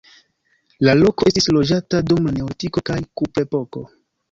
La loko estis loĝata dum la neolitiko kaj kuprepoko.